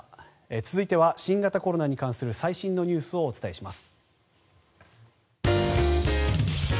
続いては新型コロナに関する最新のニュースをお伝えします。